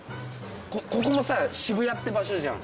ここもさ渋谷って場所じゃん。